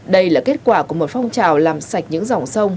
đây là kết quả của một phong trào làm sạch những dòng sông